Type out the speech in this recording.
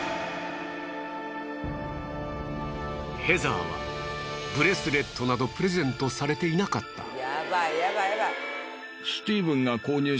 ヘザーはブレスレットなどプレゼントされていなかった。